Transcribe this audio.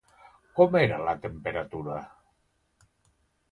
Com era la temperatura?